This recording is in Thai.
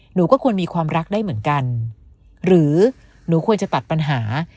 หนูก็ควรมีความรักได้เหมือนกันหรือหนูควรจะตัดปัญหา